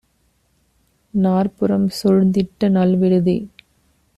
நாற்புறம் சூழ்ந்திட்ட நல்விடுதி!